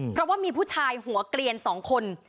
เพราะว่ามีผู้ชายหัวเกลียน๒คน